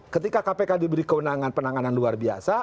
ketika kpk diberi kewenangan penanganan luar biasa